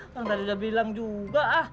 kan tadi udah bilang juga ah